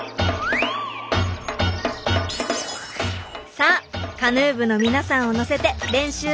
さあカヌー部の皆さんを乗せて練習場所の湖まで！